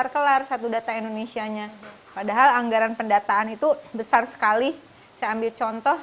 kelar satu data indonesia nya padahal anggaran pendataan itu besar sekali saya ambil contoh